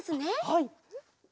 はい。